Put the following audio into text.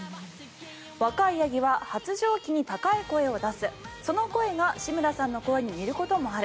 若いヤギは発情期に高い声を出すその声が志村さんの声に似ることもある。